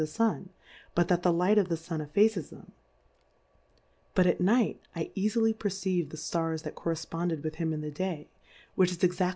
the Sun, but that the Light of the Sun effaces 'em : But at Night I eafily perceive the Stars that corref ponded with him in the Day, which is exatlly Plurality ^/WORLDS.